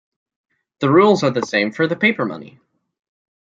The rules are the same as for the paper money.